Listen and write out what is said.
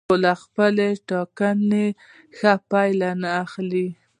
خو له خپلې ټاکنې ښه پایله نه اخلي.